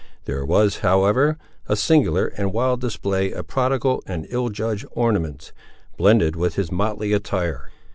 There was, however, a singular and wild display of prodigal and ill judged ornaments, blended with his motley attire.